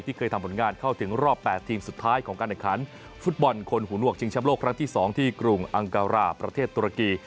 เคยทำผลงานเข้าถึงรอบ๘ทีมสุดท้ายของการแข่งขันฟุตบอลคนหูหนวกชิงชำโลกครั้งที่๒ที่กรุงอังการาประเทศตุรกี